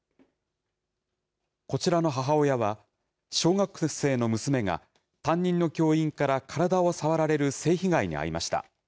こちらの母親は、小学生の娘が担任の教員から体を触られる性被害に遭いました。